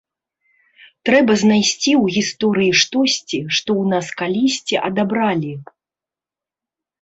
Трэба знайсці ў гісторыі штосьці, што ў нас калісьці адабралі.